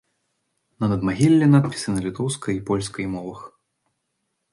На надмагіллі надпісы на літоўскай і польскай мовах.